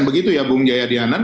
begitu ya bung jaya dianan